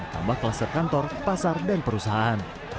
tambah kluster kantor pasar dan perusahaan